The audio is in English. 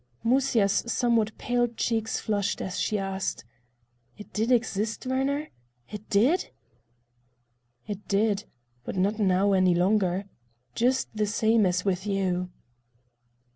Musya's somewhat paled cheeks flushed as she asked: "It did exist, Werner? It did?" "It did. But not now any longer. Just the same as with you."